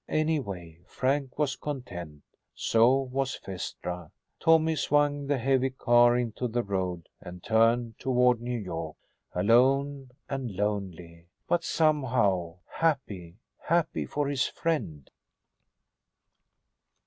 Anyway, Frank was content. So was Phaestra. Tommy swung the heavy car into the road and turned toward New York, alone and lonely but somehow happy; happy for his friend.